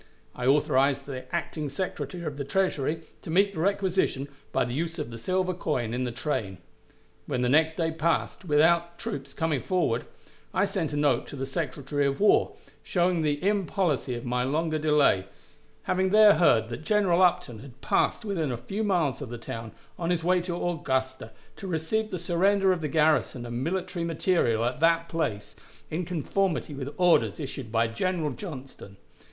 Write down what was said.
I authorized the acting Secretary of the Treasury to meet the requisition by the use of the silver coin in the train. When the next day passed without the troops coming forward, I sent a note to the Secretary of War, showing the impolicy of my longer delay, having there heard that General Upton had passed within a few miles of the town on his way to Augusta to receive the surrender of the garrison and military material at that place, in conformity with orders issued by General Johnston.